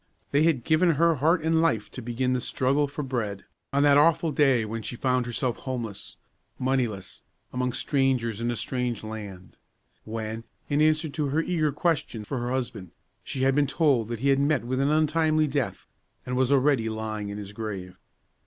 They had given her heart and life to begin the struggle for bread, on that awful day when she found herself homeless, moneyless, among strangers in a strange land; when, in answer to her eager question for her husband, she had been told that he had met an untimely death, and was already lying in his grave.